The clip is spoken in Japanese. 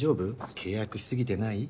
契約し過ぎてない？